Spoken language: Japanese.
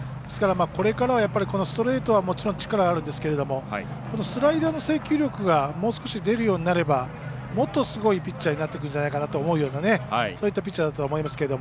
これからはストレートはもちろん力あるんですけどもスライダーの制球力がもう少し出るようになれば、もっとすごいピッチャーになってくるんじゃないかなと思うようなピッチャーだったと思いますけど。